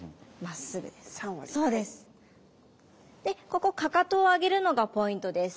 ここかかとを上げるのがポイントです。